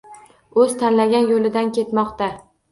Oʻz tanlagan yoʻlidan ketmoqda